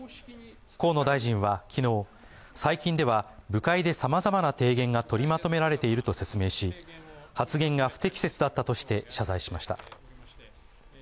河野大臣は昨日、最近では部会でさまざまな提言が取りまとめられていると説明し、発言が不適切だったとして謝罪しました。